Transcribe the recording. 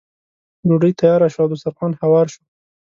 ډوډۍ تیاره شوه او دسترخوان هوار شو.